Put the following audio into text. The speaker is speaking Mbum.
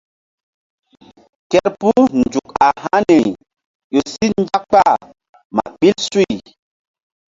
Kerpuh nzuk a haniri ƴo si nzak kpah ma ɓil suy.